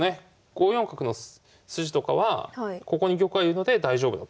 ５四角の筋とかはここに玉がいるので大丈夫だということになります。